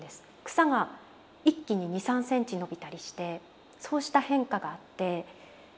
草が一気に２３センチ伸びたりしてそうした変化があって。